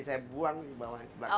saya buang di bawah belakang